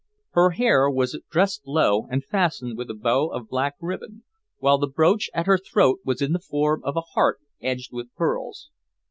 Her hair was dressed low and fastened with a bow of black ribbon, while the brooch at her throat was in the form of a heart edged with pearls.